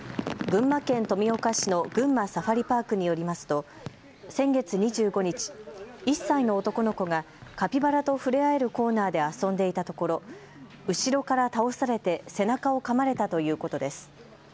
群馬県富岡市の群馬サファリパークによりますと先月２５日、１歳の男の子がカピバラと触れ合えるコーナーで遊んでいたところ後ろから倒されて背中をかまれたということです。